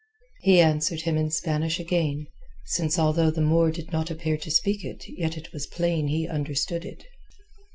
He answered him in Spanish again, since although the Moor did not appear to speak it yet it was plain he understood it.